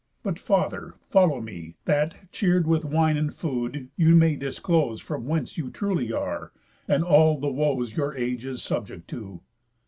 But, father, follow me, That, cheer'd with wine and food, you may disclose From whence you truly are, and all the woes Your age is subject to."